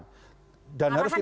arahannya kemana nih